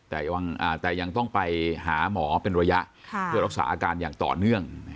แต่ยังต้องไปหาหมอเป็นระยะเพื่อรักษาอาการอย่างต่อเนื่อง